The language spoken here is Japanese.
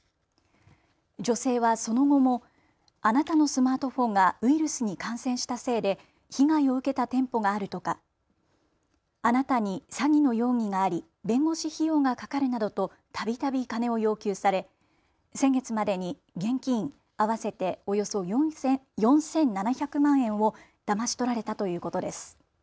女性はその後もあなたのスマートフォンがウイルスに感染したせいで被害を受けた店舗があるとかあなたに詐欺の容疑があり弁護士費用がかかるなどとたびたび金を要求され先月までに現金合わせておよそ４７００万円をだまし取られたということです。